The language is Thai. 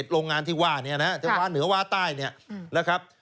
๑๑โรงงานที่ว่าเนี่ยนะครับที่ว่าเหนือว่าใต้เนี่ยนะครับ